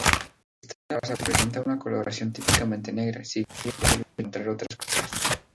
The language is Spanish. Esta raza presenta una coloración típicamente negra, si bien es posible encontrar otras capas.